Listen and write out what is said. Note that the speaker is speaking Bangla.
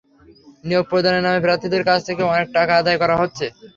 নিয়োগ প্রদানের নামে প্রার্থীদের কাছ থেকে অনেক টাকা আদায় করা হচ্ছে।